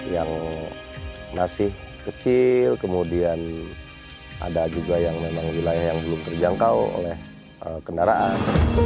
yang masih kecil kemudian ada juga yang memang wilayah yang belum terjangkau oleh kendaraan